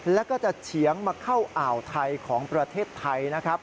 แล้วก็จะเฉียงมาเข้าอ่าวไทยของประเทศไทยนะครับ